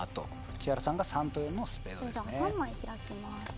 木原さんが３と４のスペードですね。